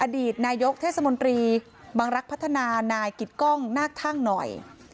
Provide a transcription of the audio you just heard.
อดีตนายกเทศมนตรีบังรักษ์พัฒนานายกิตกล้องนาคทั่งหน่อย